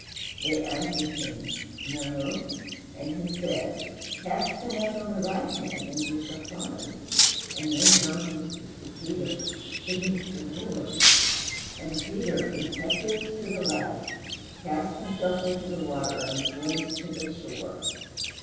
They answered him "No;" and he said, "Cast the net on the right hand and ye shall find." And then John whispers to Peter, "It is the Lord!" and Peter, impetuous to the last, casts himself into the water and swims to the shore.